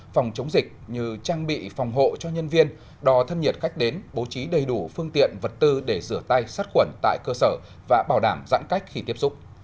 phòng chống dịch như trang bị phòng hộ cho nhân viên đò thân nhiệt khách đến bố trí đầy đủ phương tiện vật tư để rửa tay sát khuẩn tại cơ sở và bảo đảm giãn cách khi tiếp xúc